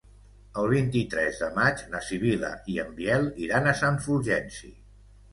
El vint-i-tres de maig na Sibil·la i en Biel iran a Sant Fulgenci.